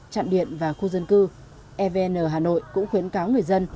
chạm điện và khu dân cư evn hà nội cũng khuyến cáo người dân